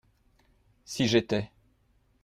Si j’étais.